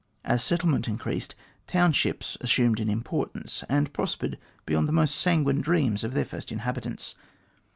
As settlement increased, townships assumed an importance, and prospered beyond the most sanguine dreams of their first inhabitants.